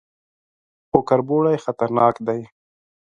_خو کربوړي خطرناکه دي.